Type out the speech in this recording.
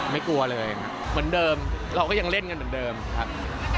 กลัวเลยเหมือนเดิมเราก็ยังเล่นกันเหมือนเดิมครับ